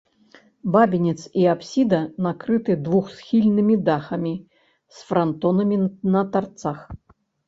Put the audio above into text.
Бабінец і апсіда накрыты двухсхільнымі дахамі з франтонамі на тарцах.